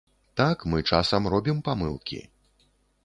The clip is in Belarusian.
Так, мы часам робім памылкі.